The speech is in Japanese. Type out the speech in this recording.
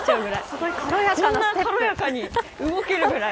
こんな軽やかに動けるくらい。